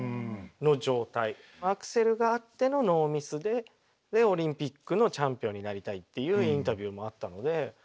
アクセルがあってのノーミスででオリンピックのチャンピオンになりたいっていうインタビューもあったので。